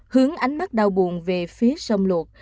hướng ánh mắt đau buồn về phía sông luộc